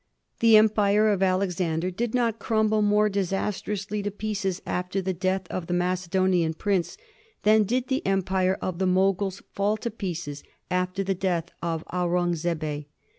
The empire of Alexander did not crumble more disas trously to pieces after the death of the Macedonian prince than did the empire of the Moguls fall to pieces after the death of Aurungzebe.